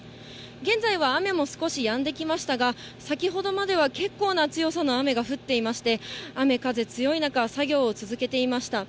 現在は雨も少しやんできましたが、先ほどまでは結構な強さの雨が降っていまして、雨、風強い中、作業を続けていました。